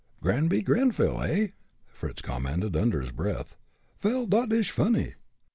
"Granby Greyville, eh?" Fritz commented, under his breath. "Vel, dot ish funny.